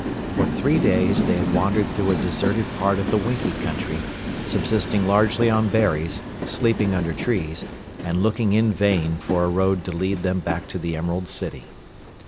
For three days, they had wandered through a deserted part of the Winkie Country, subsisting largely on berries, sleeping under trees, and looking in vain for a road to lead them back to the Emerald City.